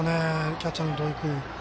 キャッチャーの土井君。